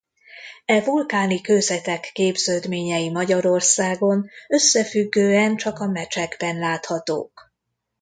E vulkáni kőzetek képződményei Magyarországon összefüggően csak a Mecsekben láthatók.